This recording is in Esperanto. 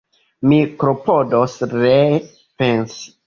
Mi klopodos ree pensi.